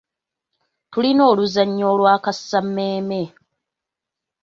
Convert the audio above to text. Tulina oluzannya olwakaasa mmeeme.